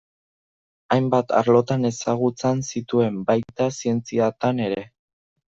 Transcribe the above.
Hainbat arlotan ezagutzan zituen, baita zientziatan ere.